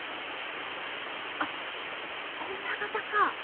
あっ女形か。